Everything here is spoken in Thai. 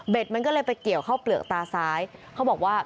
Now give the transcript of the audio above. มันก็เลยไปเกี่ยวเข้าเปลือกตาซ้ายเขาบอกว่า